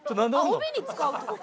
帯に使うって事？